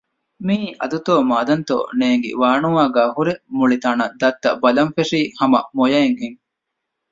މިއީ އަދުތޯ މާދަންތޯ ނޭނގި ވާނުވާގައި ހުރެ މުޅި ތަނަށް ދައްތަ ބަލަން ފެށީ ހަމަ މޮޔައެއް ހެން